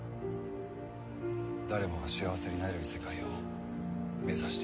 誰もが幸せになれる世界を目指していると。